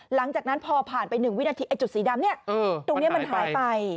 หลังจากนั้นพอผ่านไป๑วินาทีไอ้จุดสีดำเนี่ยตรงนี้มันหายไป